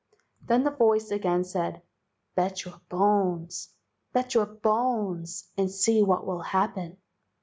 Then the voice again said, "Bet your bones, bet your bones, and see what will happen."